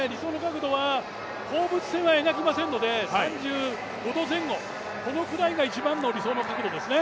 放物線は描けませんので３５度前後、このくらいが一番の理想の角度ですね。